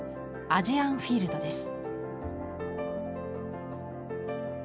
「アジアンフィールド」です。